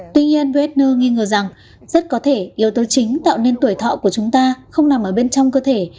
tuy nhiên readner nghi ngờ rằng rất có thể yếu tố chính tạo nên tuổi thọ của chúng ta không nằm ở bên trong cơ thể